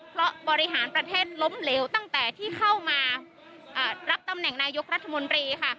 เพราะบริหารประเทศล้มเหลวตั้งแต่ที่เข้ามารับตำแหน่งนายกรัฐมนตรีค่ะ